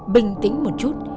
bình tĩnh một chút